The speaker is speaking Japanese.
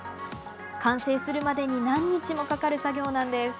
完成するまでに何日もかかる作業なんです。